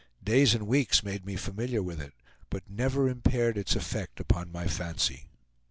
Days and weeks made me familiar with it, but never impaired its effect upon my fancy.